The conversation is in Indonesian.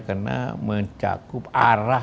karena mencakup arah